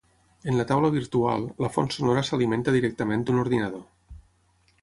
En la taula virtual, la font sonora s’alimenta directament d’un ordinador.